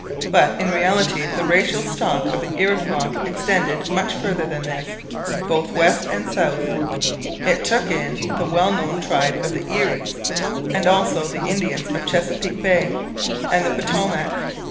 But in reality the racial stock of the Iroquois extended much farther than this, both west and south. It took in the well known tribe of the Eries, and also the Indians of Chesapeake Bay and the Potomac.